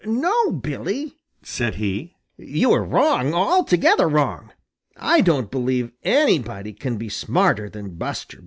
"No, Billy," said he, "you are wrong, altogether wrong. I don't believe anybody can be smarter than Buster Bear."